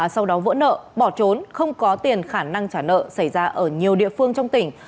sau đó vỡ nợ bỏ trốn không có tiền khả năng trả nợ xảy ra ở nhiều địa phương trong tỉnh